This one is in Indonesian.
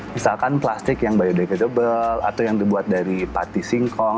misalkan plastik yang biodecatable atau yang dibuat dari pati singkong